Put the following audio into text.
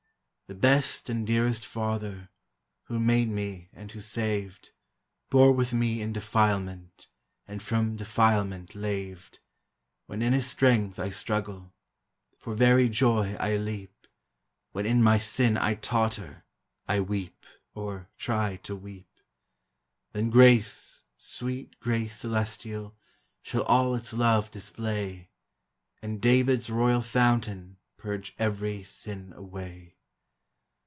The best and dearest Father, Who made me and who saved, Bore with me in defilement. And from defilement laved, When in his strength I struggle, For very joy I leap, When in my sin I totter, I weep, or try to weep : DEATH: IMMORTALITY: HEAVEN. 425 Then grace, sweet grace celestial, Shall all its love display, And David's Royal Fountain Purge every sin away.